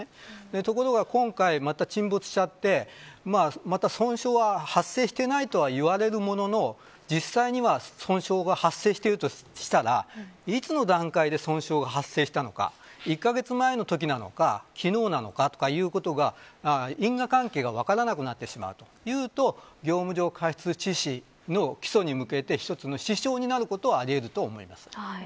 ところが今回また沈没しちゃってまた損傷が発生していないとは言われるものの実際には損傷が発生しているとしたらいつの段階で損傷が発生したのか１カ月前のときなのか昨日なのかということが因果関係が分からなくなってしまうというと業務上過失致死の起訴に向けて一つの支障になることはあり得ると思います。